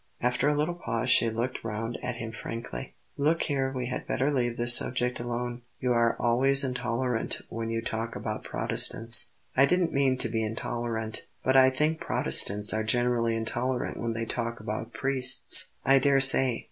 After a little pause she looked round at him frankly. "Look here, we had better leave this subject alone. You are always intolerant when you talk about Protestants." "I didn't mean to be intolerant. But I think Protestants are generally intolerant when they talk about priests." "I dare say.